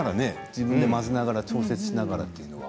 自分で混ぜながら調節しながらっていうのは。